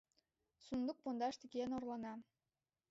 Сундук пундаште киен орлана